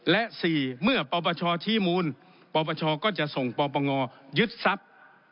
และ๔เมื่อปปชชี้มูลปปชก็จะส่งปปงยึดทรัพย์